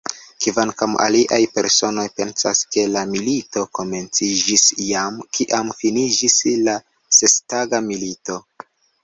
Kvankam aliaj personoj pensas, ke la milito komenciĝis jam, kiam finiĝis la Sestaga Milito.